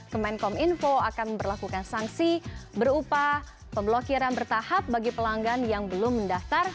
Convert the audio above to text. kemenkom info akan memperlakukan sanksi berupa pemblokiran bertahap bagi pelanggan yang belum mendaftar